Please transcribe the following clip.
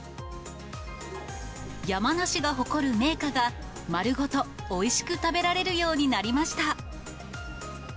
山梨が誇る銘菓が、丸ごとおいしく食べられるようになりました。